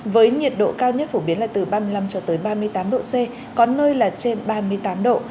với nhiệt độ cao nhất phổ biến là từ ba mươi năm ba mươi tám độ c có nơi là trên ba mươi tám độ